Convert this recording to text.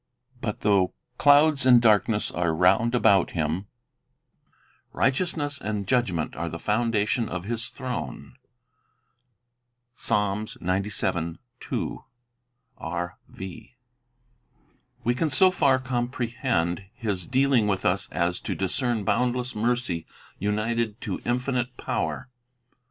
But though "clouds and darkness are round about Him, righteousness and judgment are the founda tion of His throne." 1 We can so far comprehend His dealing with us as to discern boundless mercy united to infinite power.